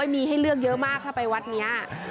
มีให้เลือกเยอะมากถ้าไปวัดนี้